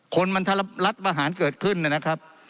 คนมันถ้ารัฐประหารเกิดขึ้นนะครับ